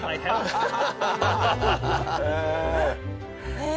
へえ！